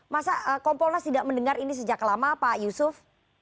masa kompolnas tidak mendengar ini sejak lama pak yusuf